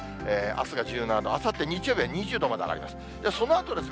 あすが１７度、あさって日曜日は２０度まで上がります。